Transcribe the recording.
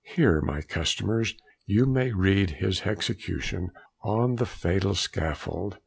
Here, my customers, you may read his hexecution on the fatal scaffold.